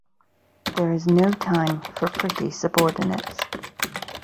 There is no time for pretty subordinates.